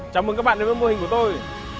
chào mừng các bạn đến với mô hình của tôi